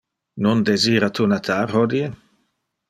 Non desira tu natar hodie?